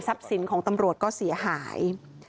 ทรัพย์สินของตำรวจก็เสียหาย